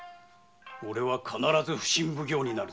おれは必ず普請奉行になる。